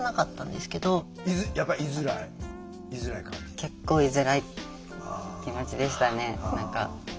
結構居づらい気持ちでしたね何か。